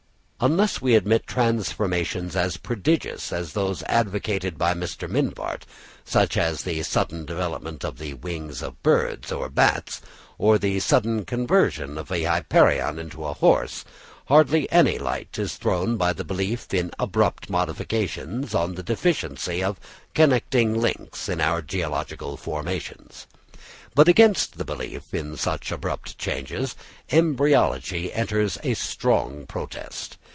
Unless we admit transformations as prodigious as those advocated by Mr. Mivart, such as the sudden development of the wings of birds or bats, or the sudden conversion of a Hipparion into a horse, hardly any light is thrown by the belief in abrupt modifications on the deficiency of connecting links in our geological formations. But against the belief in such abrupt changes, embryology enters a strong protest.